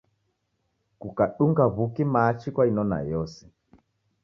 Kukadunga w'uki machi kwainona yose.